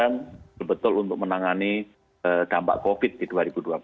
dan mengalokasikan anggaran sebetul untuk menangani dampak covid sembilan belas di dua ribu dua puluh